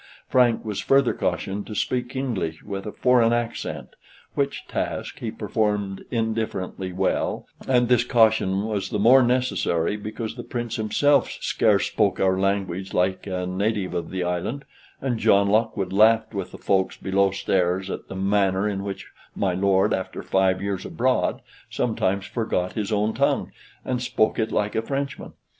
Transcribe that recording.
Frank was further cautioned to speak English with a foreign accent, which task he performed indifferently well, and this caution was the more necessary because the Prince himself scarce spoke our language like a native of the island: and John Lockwood laughed with the folks below stairs at the manner in which my lord, after five years abroad, sometimes forgot his own tongue, and spoke it like a Frenchman.